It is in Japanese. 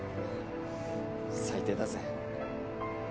最低だぜ。